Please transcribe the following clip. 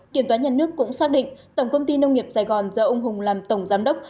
kiểm toán nhà nước cũng xác định tổng công ty nông nghiệp sài gòn do ông hùng làm tổng giám đốc